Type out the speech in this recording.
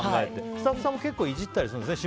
スタッフさんも結構いじったりするんですね。